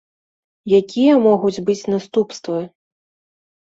Якія могуць быць наступствы?